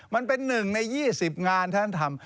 มันเป็น๑ใน๒๐งานท่านทำ